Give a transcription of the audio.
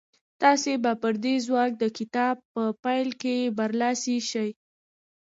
تاسې به پر دې ځواک د کتاب په پيل کې برلاسي شئ.